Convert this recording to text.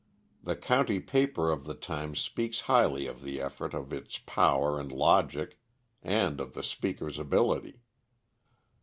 The county paper of the time speaks highly of the effort of its power and logic, and of the speaker's ability.